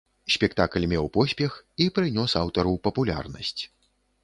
Спектакль меў поспех і прынёс аўтару папулярнасць.